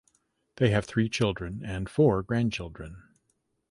They have three children and four grandchildren.